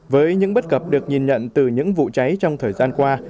với những bất cập được nhìn nhận từ những vụ cháy trong thời gian qua